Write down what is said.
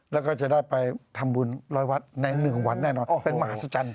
แล้วก็จะได้ไปทำบุญร้อยวัดในหนึ่งวันแน่นอนเป็นมาสัจนิ์